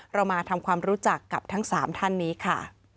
เรามาทำความรู้จักกับทั้ง๓ท่านนี้ค่ะ